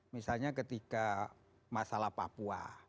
misalnya ketika masalah papua